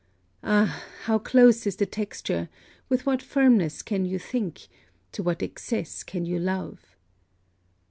Ah, how close is the texture with what firmness can you think to what excess can you love!